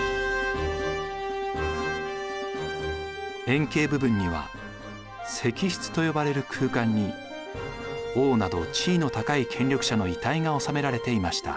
円形部分には石室と呼ばれる空間に王など地位の高い権力者の遺体が収められていました。